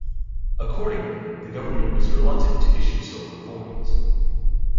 Accordingly, the government was reluctant to issue silver coins.